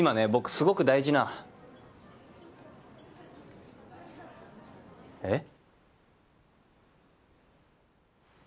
すごく大事な。えっ？